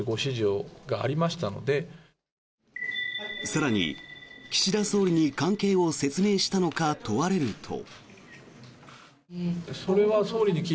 更に岸田総理に関係を説明したのか問われると。